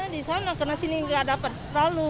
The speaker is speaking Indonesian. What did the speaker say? biasanya di sana karena sini tidak dapat terlalu